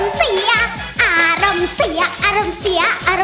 โมโฮโมโฮโมโฮ